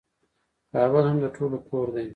کابل هم د ټولو کور دی.